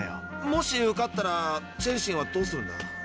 もし受かったらチェンシンはどうするんだ？